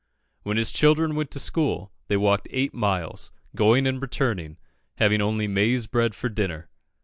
When his children went to school they walked eight miles, going and returning, having only maize bread for dinner.